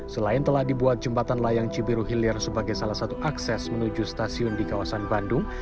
selain telah dibuat jembatan layang cibiru hilir sebagai salah satu akses menuju stasiun di kawasan bandung